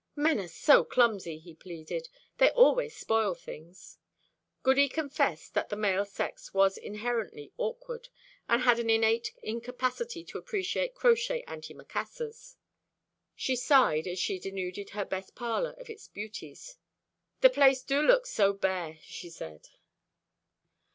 "Men are so clumsy," he pleaded. "They always spoil things." Goody confessed that the male sex was inherently awkward, and had an innate incapacity to appreciate crochet antimacassars. She sighed as she denuded her best parlour of its beauties. "The place dew look so bare," she said.